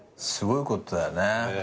すごいことだよね。